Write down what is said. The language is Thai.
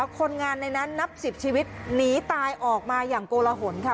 คนงานในนั้นนับ๑๐ชีวิตหนีตายออกมาอย่างโกลหนค่ะ